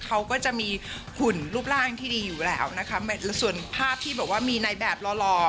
เขาก็จะมีหุ่นรูปร่างที่ดีอยู่แล้วนะคะส่วนภาพที่บอกว่ามีในแบบหล่อหล่อ